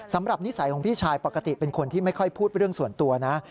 นิสัยของพี่ชายปกติเป็นคนที่ไม่ค่อยพูดเรื่องส่วนตัวนะ